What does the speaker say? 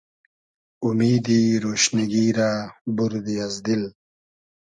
اومیدی رۉشنیگی رۂ بوردی از دیل